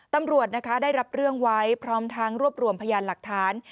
ตำรวจนะคะได้รับเรื่องไว้พร้อมทั้งรวบรวมพยานหลักฐาน